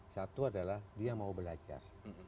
satu adalah dia mau belajar